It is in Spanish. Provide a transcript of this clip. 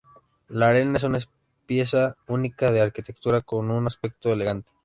La arena es una pieza única de la arquitectura con un aspecto elegante.